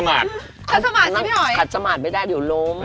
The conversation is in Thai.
น่าขัดสมาตย์ที่ถอยขัดสมาตย์ไม่ได้เดี๋ยวลุ้ม